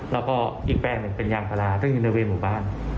แล้วก็อีกแปลงหนึ่งเป็นยางพาราซึ่งอยู่ในบริเวณหมู่บ้าน